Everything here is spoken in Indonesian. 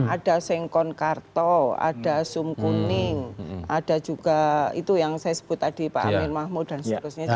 ada sengkon karto ada sum kuning ada juga itu yang saya sebut tadi pak amin mahmud dan seterusnya